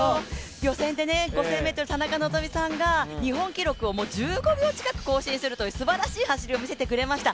予選で５０００ｍ、田中希実さんが日本記録を１５秒近く更新するというすばらしい走りを見せてくれました。